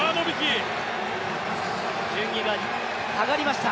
順位が下がりました。